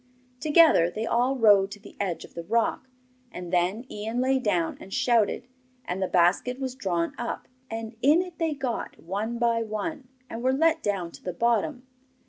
Together they all rode to the edge of the rock, and then Ian lay down and shouted, and the basket was drawn up, and in it they got one by one, and were let down to the bottom.